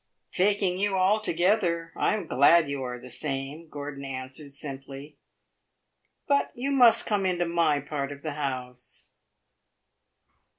"Taking you altogether, I am glad you are the same," Gordon answered, simply; "but you must come into my part of the house."